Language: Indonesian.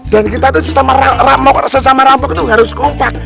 dan kita tuh sesama ramok sesama ramok tuh harus kompak